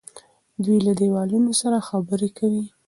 دی له دیوالونو سره خبرې کوي.